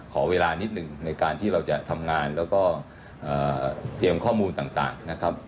ขอเวลานิดหนึ่งในการที่เราจะทำงานแล้วก็เตรียมข้อมูลต่างนะครับ